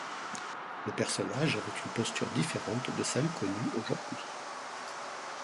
Le personnage avait une posture différente de celle connue aujourd'hui.